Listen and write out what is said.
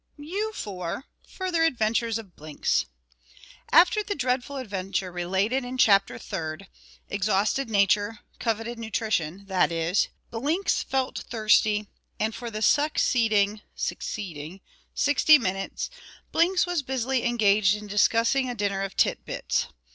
MEW IV. Further Adventures of Blinks. After the dreadful adventure related in chapter third, exhausted nature coveted nutrition; that is, Blinks felt thirsty, and for the suck seeding [succeeding] sixty minutes, Blinks was busily engaged discussing a dinner of tit bits.